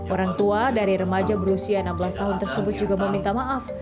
orang tua dari remaja berusia enam belas tahun tersebut juga meminta maaf